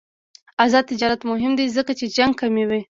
آزاد تجارت مهم دی ځکه چې جنګ کموي.